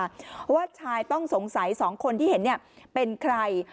ว่าชายต้องสงสัย๒คนที่เห็นเป็นใคร